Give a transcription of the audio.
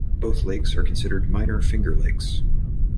Both lakes are considered minor Finger Lakes.